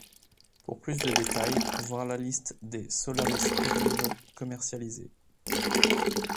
Pour plus de détails, voir la liste des Solaris Urbino commercialisés.